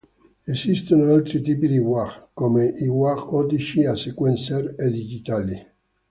Esistono altri tipi di wah, come i wah ottici, a sequencer e digitali.